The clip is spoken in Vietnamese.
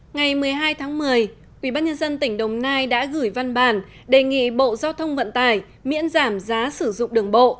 ngày một mươi hai tháng một mươi ubnd tỉnh đồng nai đã gửi văn bản đề nghị bộ giao thông vận tải miễn giảm giá sử dụng đường bộ